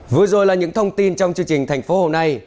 vừa rồi là những thông tin trong chương trình thành phố hôm nay